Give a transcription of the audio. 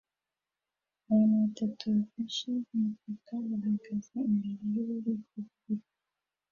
Abantu batatu bafashe umutaka bahagaze imbere yububiko bubiri